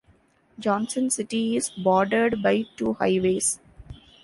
Johnson City is bordered by two highways.